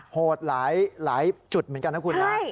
โหดหลายจุดเหมือนกันนะคุณนะ